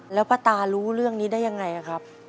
แล้วป้าตารู้เรื่องนี้ได้ยังไงครับ